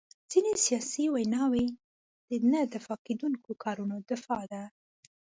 ځینې سیاسي ویناوي د نه دفاع کېدونکو کارونو دفاع ده.